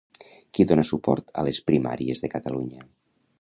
Qui dona suport a les Primàries de Catalunya?